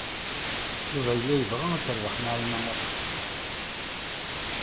Yuba yella yebɣa ad terbeḥ Naɛima u Ḥsen.